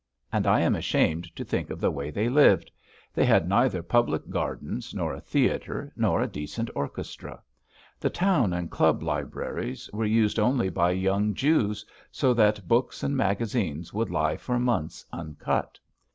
And I am ashamed to think of the way they lived. They had neither public gardens, nor a theatre, nor a decent orchestra; the town and club libraries are used only by young Jews, so that books and magazines would lie for months uncut.